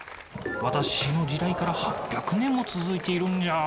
私の時代から８００年も続いているんじゃ。